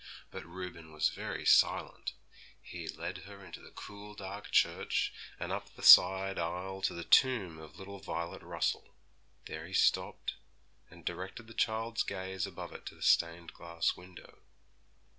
But Reuben was very silent. He led her into the cool, dark church and up the side aisle to the tomb of little Violet Russell. There he stopped, and directed the child's gaze above it to the stained glass window.